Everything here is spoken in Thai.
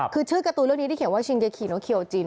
คือชื่อการ์ตูนเรื่องนี้ที่เขียนว่าชิงเกคิโนเคโอจิน